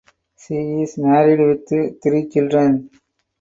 She is married with three children.